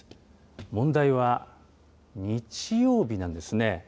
問題は日曜日なんですね。